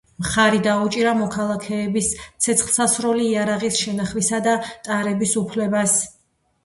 მხარი დაუჭირა მოქალაქეების ცეცხლსასროლი იარაღის შენახვისა და ტარების უფლებას.